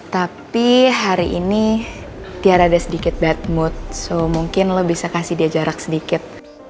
tapi hari ini biar ada sedikit batmooth so mungkin lo bisa kasih dia jarak sedikit